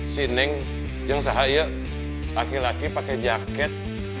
si neng yang saya laki laki pakai jaket